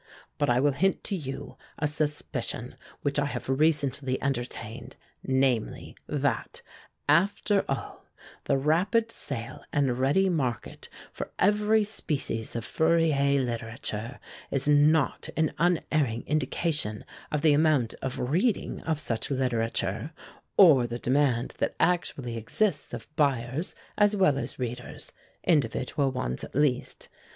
But I will hint to you a suspicion which I have recently entertained, namely, that, after all, the rapid sale and ready market for every species of Fourier literature is not an unerring indication of the amount of reading of such literature, or the demand that actually exists of buyers as well as readers individual ones at least.